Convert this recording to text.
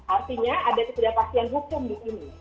artinya ada ketidakpastian hukum di sini